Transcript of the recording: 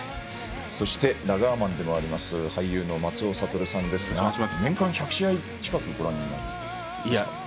そしてラガーマンでもある俳優の松尾諭さんですが年間１００試合近くご覧になるんですか？